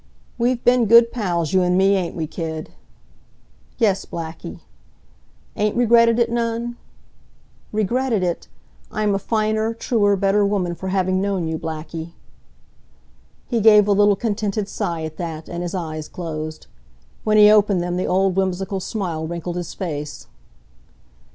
"We've been good pals, you and me, ain't we, kid?" "Yes, Blackie." "Ain't regretted it none?" "Regretted it! I am a finer, truer, better woman for having known you, Blackie." He gave a little contented sigh at that, and his eyes closed. When he opened them the old, whimsical smile wrinkled his face.